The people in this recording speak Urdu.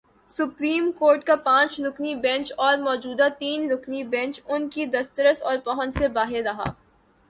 سپریم کورٹ کا پانچ رکنی بینچ اور موجودہ تین رکنی بینچ ان کی دسترس اور پہنچ سے باہر رہا۔